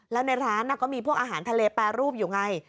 แล้วในร้านก็มีพวกอาหารทะเลแปรรูปอยู่ไง